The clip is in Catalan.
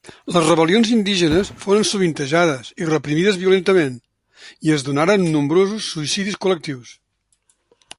Les rebel·lions indígenes foren sovintejades i reprimides violentament, i es donaren nombrosos suïcidis col·lectius.